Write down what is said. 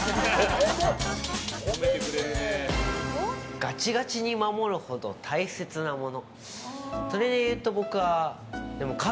ガチガチに守るほど大切なもの。